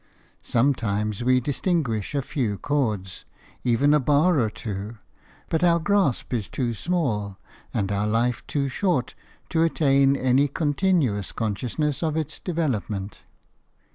Sometimes we distinguish a few chords, even a bar or two; but our grasp is too small and our life too short to attain any continuous consciousness of its development.